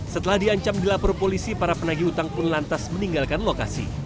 setelah diancam di lapor polisi para penagi hutang pun lantas meninggalkan lokasi